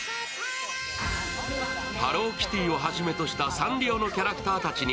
ハローキティをはじめとしたサンリオのキャラクターたちに